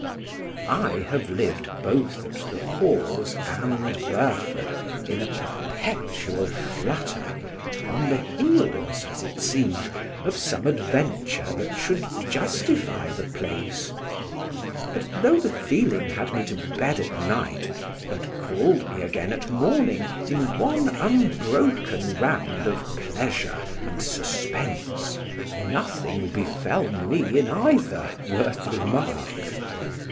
I have lived both at the Hawes and Burford in a perpetual flutter, on the heels, as it seemed, of some adventure that should justify the place; but though the feeling had me to bed at night and called me again at morning in one unbroken round of pleasure and suspense, nothing befell me in either worth remark.